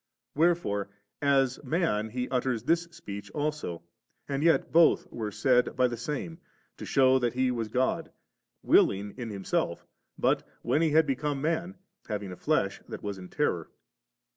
Where fore as man He utters this speech also, and yet both were said by the Same, to shew that He was God, willing in Himself, but when He had become man, having a flesh that was in terror.